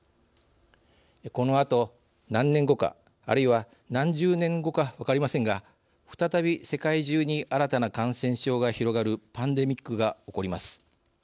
このあと何年後かあるいは何十年後か分かりませんが再び世界中に新たな感染症が広がるパンデミックが起こります。